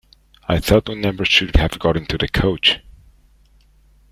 I thought we never should have got into the coach.